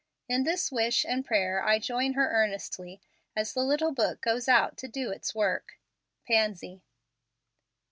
In this wish and prayer I join her earnestly, as the little book goes out to do its work. Pansy.